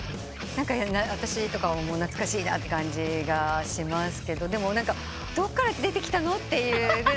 私は懐かしいなって感じがしますけどでもどっから出てきたのってぐらい